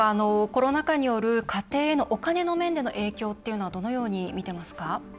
コロナ禍による家庭へのお金の面での影響はどのように見ていますか？